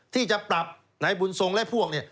ที่จะปรับไหนบุญทรงและพวกนี้